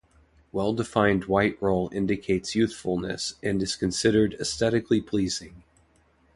Well defined white roll indicates youthfulness and is considered aesthetically pleasing.